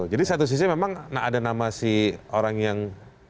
jadi satu sisi memang ada nama si orang yang